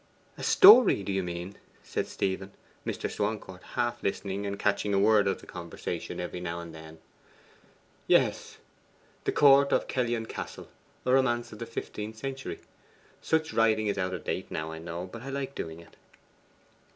'A story, do you mean?' said Stephen, Mr. Swancourt half listening, and catching a word of the conversation now and then. 'Yes; THE COURT OF KELLYON CASTLE; a romance of the fifteenth century. Such writing is out of date now, I know; but I like doing it.